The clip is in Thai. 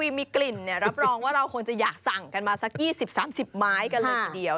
มีกลิ่นรับรองว่าเราคงจะอยากสั่งกันมาสัก๒๐๓๐ไม้กันเลยทีเดียว